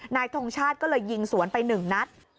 นายทงชาติก็เลยยิงสวนไปหนึ่งนัด